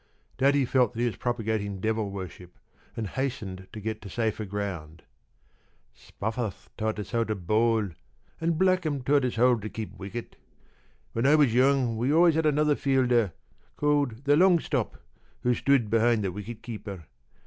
p> Daddy felt that he was propagating devil worship and hastened to get to safer ground. "Spofforth taught us how to bowl and Blackham taught us how to keep wicket. When I was young we always had another fielder, called the long stop, who stood behind the wicket keeper.